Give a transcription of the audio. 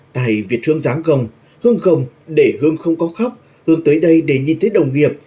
tại việt hương giáng gồng hương gồng để hương không có khóc hương tới đây để nhìn thấy đồng nghiệp